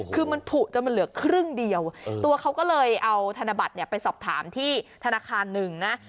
คือมันผูกจนมันเหลือครึ่งเดียวตัวเขาก็เลยเอาธนบัตรเนี่ยไปสอบถามที่ธนาคารหนึ่งนะ